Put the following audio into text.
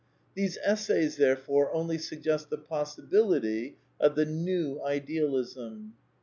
These essays, therefore, only suggest the possibility of the New Idealism.